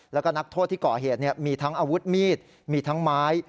แล้วก็นักโทษที่ก่อเหตุมีทั้งอาวุธมีดมีทั้งไม้